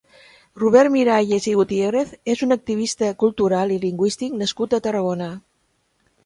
Robert Miralles i Gutiérrez és un activista cultural i lingüístic nascut a Tarragona.